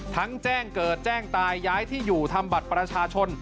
แจ้งเกิดแจ้งตายย้ายที่อยู่ทำบัตรประชาชน